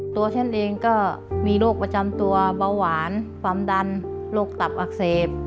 ตัวฉันเองก็มีโรคประจำตัวเบาหวานความดันโรคตับอักเสบ